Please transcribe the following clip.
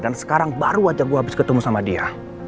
dan sekarang baru aja gue habis ketemu sama dia